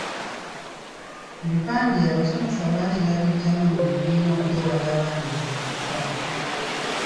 Ebipande abasomesa baali baabigyamu mu bibiina okwewala abaana okukoppa.